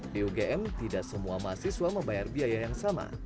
di ugm tidak semua mahasiswa membayar biaya yang sama